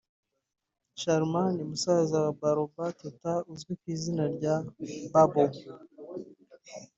Charmant ni musaza wa Barbara Teta uzwi ku izina rya Babo